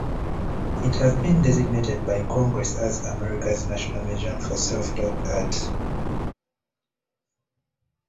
It has been designated by Congress as America's national museum for self-taught art.